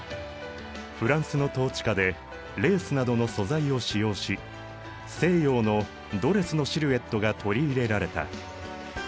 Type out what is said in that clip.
フランスの統治下でレースなどの素材を使用し西洋のドレスのシルエットが取り入れられた。